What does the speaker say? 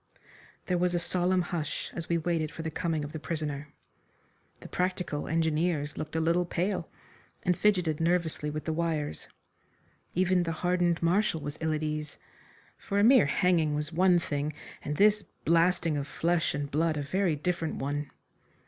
There was a solemn hush as we waited for the coming of the prisoner. The practical engineers looked a little pale, and fidgeted nervously with the wires. Even the hardened Marshal was ill at ease, for a mere hanging was one thing, and this blasting of flesh and blood a very different one.